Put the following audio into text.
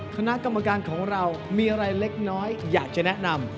คณะกรรมการของเรามีอะไรเล็กน้อยอยากจะแนะนำ